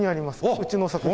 うちの作品。